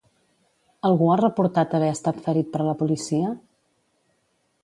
Algú ha reportat haver estat ferit per la policia?